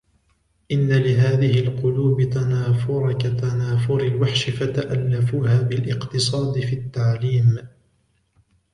إنَّ لِهَذِهِ الْقُلُوبِ تَنَافُرَ كَتَنَافُرِ الْوَحْشِ فَتَأَلَّفُوهَا بِالِاقْتِصَادِ فِي التَّعْلِيمِ